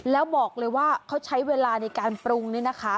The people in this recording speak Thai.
แล้วบอกเลยว่าเขาใช้เวลาในการปรุงนี่นะคะ